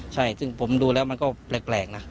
ใช่ซึ่งผมดูแล้วมันก็แปลกนะ